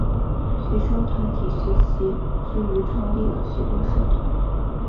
学生团体学习之余创立了许多社团。